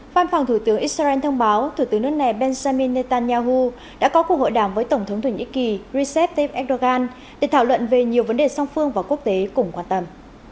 văn phòng thủ tướng israel thông báo thủ tướng nước này benjamin netanyahu đã có cuộc hội đàm với tổng thống thổ nhĩ kỳ recep tayyip erdogan để thảo luận về nhiều vấn đề song phương và quốc tế cùng quan tâm